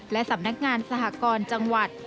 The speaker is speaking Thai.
และสำนักงานสหกรจังหวัด